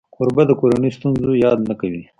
کوربه د کورنۍ ستونزو یاد نه کوي.